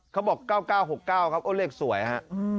เขาบอก๙๙๖๙ครับโอ้เลขสวยฮะ